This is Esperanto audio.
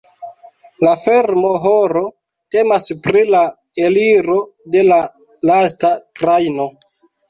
La fermo-horo temas pri la eliro de la lasta trajno.